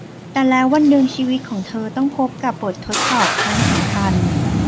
แต่แล้ววันหนึ่งชีวิตของเธอต้องพบกับบททดสอบครั้งสำคัญ